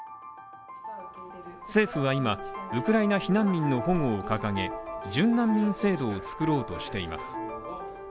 政府は今、ウクライナ避難民の保護を掲げ、準難民制度を作ろうとしています。